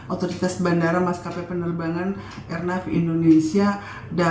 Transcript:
otoritas bandara maskapai penerbangan